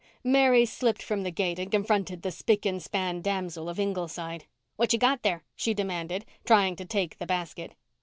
Mary slipped from the gate and confronted the spick and span damsel of Ingleside. "What you got there?" she demanded, trying to take the basket.